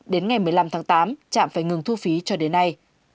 đến ngày một mươi năm tháng tám trạm phải ngừng thu phí cho đến nay